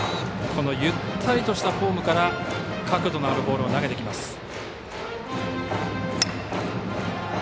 このゆったりとしたフォームから角度のあるボールを投げてきます。